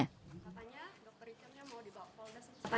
katanya dokter richard mau dibawa ke polda central